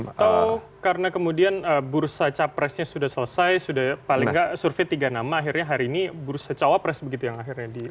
atau karena kemudian bursa capresnya sudah selesai sudah paling nggak survei tiga nama akhirnya hari ini bursa cawapres begitu yang akhirnya di